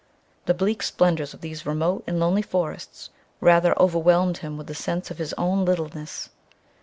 The bleak splendors of these remote and lonely forests rather overwhelmed him with the sense of his own littleness.